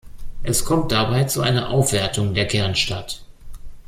Es kommt dabei zu einer Aufwertung der Kernstadt.